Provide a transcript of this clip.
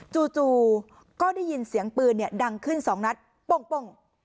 จู่ก็ได้ยินเสียงปืนดังขึ้น๒นัดโป้ง